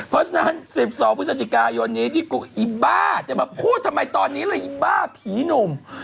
เพราะฉะนั้น๑๒พฤศจิกายนนี้ที่อีบ้าจะมาพูดทำไมตอนนี้เลยอีบ้าผีหนุ่ม